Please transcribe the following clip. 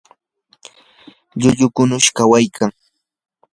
lllullu kunish kawakaykan.